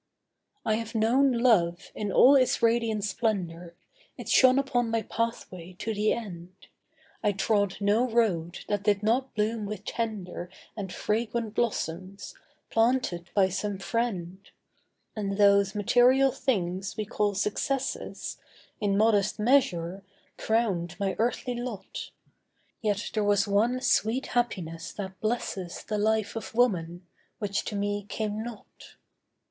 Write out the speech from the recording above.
'I have known love, in all its radiant splendour, It shone upon my pathway to the end. I trod no road that did not bloom with tender And fragrant blossoms, planted by some friend. And those material things we call successes, In modest measure, crowned my earthly lot. Yet was there one sweet happiness that blesses The life of woman, which to me came not.